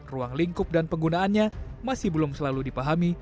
ruang lingkup dan penggunaannya masih belum selalu dipahami